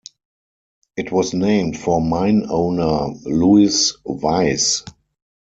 It was named for mine owner Louis Weiss.